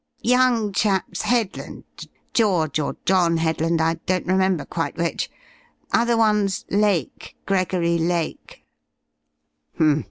"Young chap's Headland George or John Headland, I don't remember quite which. Other one's Lake Gregory Lake."